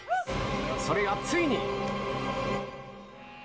それがついに。